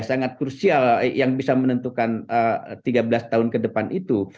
sangat krusial yang bisa menentukan tiga belas tahun ke depan itu